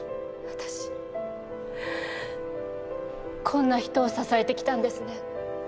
私こんな人を支えてきたんですね。